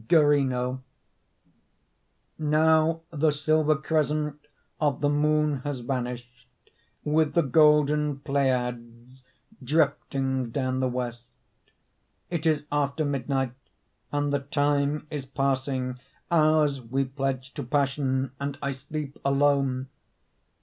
GYRINNO Now the silver crescent Of the moon has vanished, With the golden Pleiads Drifting down the west. It is after midnight And the time is passing, Hours we pledged to passion And I sleep alone.